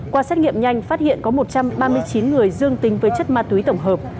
qua xét nghiệm nhanh phát hiện có một trăm ba mươi chín người dương tính với chất ma túy tổng hợp